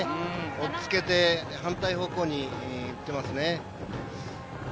おっつけて反対方向に打ってますね。